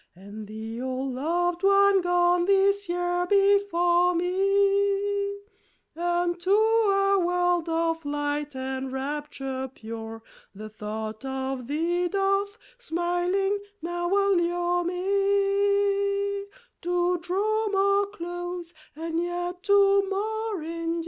And thee! Oh loved one gone, this year, before me, Unto a world of light and rapture pure; The thought of thee doth, smiling, now allure me To draw more close and yet to more endure!